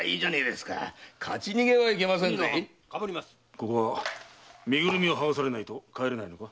ここは身ぐるみをはがされないと帰れないのか？